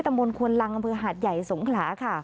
มนตวนลังอำเภอหาดใหญ่สงขลาค่ะ